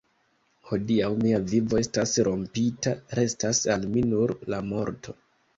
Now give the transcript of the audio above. Hodiaŭ mia vivo estas rompita; restas al mi nur la morto.